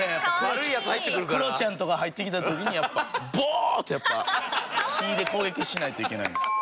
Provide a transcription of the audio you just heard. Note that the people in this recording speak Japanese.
クロちゃんとか入ってきた時にやっぱボーッ！ってやっぱ火で攻撃しないといけない。